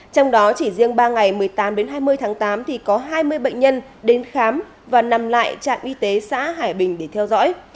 trong đó chỉ riêng ba ngày một mươi tám đến hai mươi tháng tám thì có hai mươi bệnh nhân đến khám và nằm lại trạm y tế xã hải bình để theo dõi